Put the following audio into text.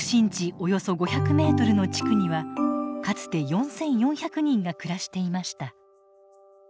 およそ５００メートルの地区にはかつて４，４００人が暮らしていました。